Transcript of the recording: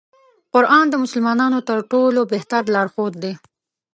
قرآن د مسلمانانو تر ټولو بهتر لار ښود دی.